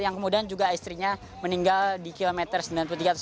yang kemudian juga istrinya meninggal di kilometer sembilan puluh tiga atau sembilan puluh empat